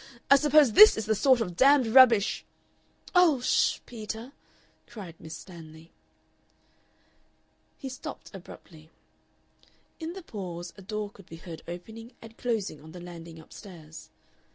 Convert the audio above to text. I suppose this is the sort of damned rubbish " "Oh! Ssh, Peter!" cried Miss Stanley. He stopped abruptly. In the pause a door could be heard opening and closing on the landing up stairs.